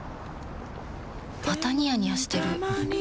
またニヤニヤしてるふふ。